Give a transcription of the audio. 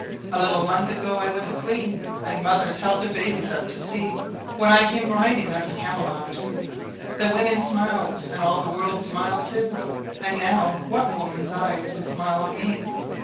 A little month ago I was a queen, And mothers held their babies up to see When I came riding out of Camelot. The women smiled, and all the world smiled too. And now, what woman's eyes would smile on me?